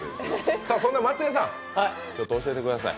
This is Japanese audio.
そんな松也さん、ちょっと教えてください。